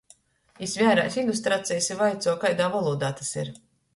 Jis vērēs ilustracejis i vaicuoja, kaidā volūdā tys ir.